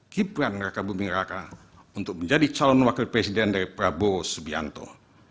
gibran raka buming raka untuk menjadi calon wakil presiden dari prabowo subianto